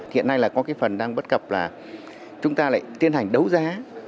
hiện nay là có cái phần đang bất cập là chúng ta lại tiến hành đấu giá